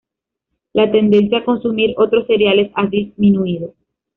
La tendencia a consumir otros cereales ha disminuido.